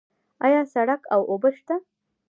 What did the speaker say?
آیا سړک او اوبه شته؟